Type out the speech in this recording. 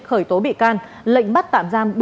khởi tố bị can lệnh bắt tạm giam